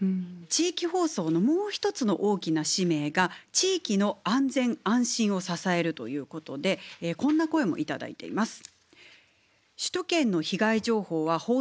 地域放送のもう一つの大きな使命が地域の安全・安心を支えるということでこんな声も頂いています。